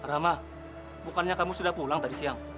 rama bukannya kamu sudah pulang tadi siang